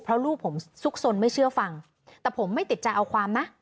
เพราะลูกผมซุกสนไม่เชื่อฟังแต่ผมไม่ติดใจเอาความนะ